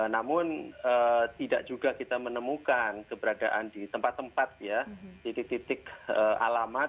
namun tidak juga kita menemukan keberadaan di tempat tempat ya titik titik alamat